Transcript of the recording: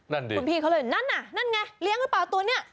นั่นดิคุณพี่เขาเลยนั่นน่ะนั่นไงเลี้ยงหรือเปล่าตัวนี้